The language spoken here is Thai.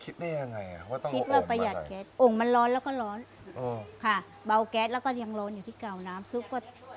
คิดได้ยังไงอะว่าต้องมาอ่นมากก